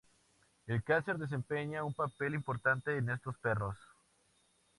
El cáncer desempeña un papel importante en estos perros.